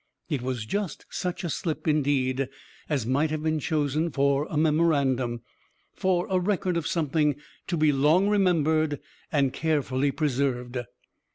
It was just such a slip, indeed, as might have been chosen for a memorandum for a record of something to be long remembered and carefully preserved."